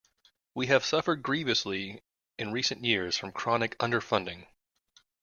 We have suffered grievously in recent years from chronic underfunding.